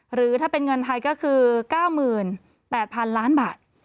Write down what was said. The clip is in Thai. หรือถ้าเป็นเงินไทยก็คือ๙๘๐๐๐ล้านบาท